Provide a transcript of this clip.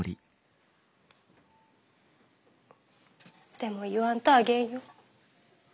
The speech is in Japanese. でも言わんとあげんよ。